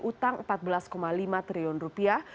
utang empat belas lima triliun rupiah